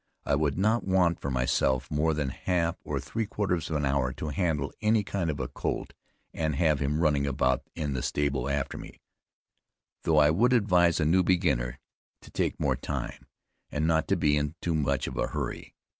I would not want for myself, more than half or three quarters of an hour to handle any kind of a colt, and have him running about in the stable after me; though I would advise a new beginner to take more time, and not to be in too much of a hurry.